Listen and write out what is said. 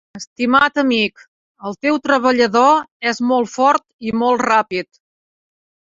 Estimat amic, el teu treballador és molt fort, i molt ràpid.